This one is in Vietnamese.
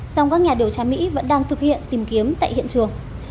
song các nhà điều tra mỹ vẫn đang thực hiện tìm kiếm tại hiện trường